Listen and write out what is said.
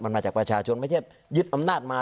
มันมาจากประชาชนไม่ใช่ยึดอำนาจมา